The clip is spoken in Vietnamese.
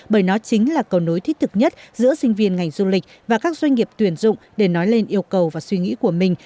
bởi nó chính là cầu nối thiết thực nhất giữa sinh viên ngành du lịch và các doanh nghiệp tuyển dụng để nói lên yêu cầu và suy nghĩ của mình